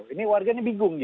ini warganya bingung